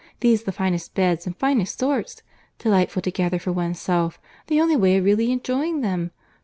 —These the finest beds and finest sorts.—Delightful to gather for one's self—the only way of really enjoying them.